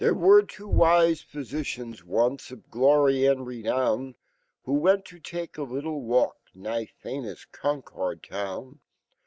were two wise physicians once, of glory and renown, Who went to take a little walk nigh famous Concord town.